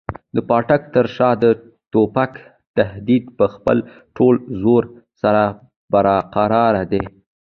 د پاټک تر شا د توپک تهدید په خپل ټول زور سره برقراره دی.